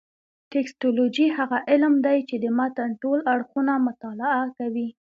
ټکسټولوجي هغه علم دﺉ، چي د متن ټول اړخونه مطالعه کوي.